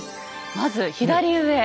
まず左上。